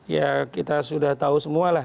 ya kita sudah tahu semua lah